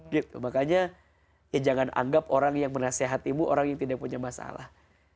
gitu makanya ya jangan anggap orang yang menasehatimu orang yang tidak punya masalah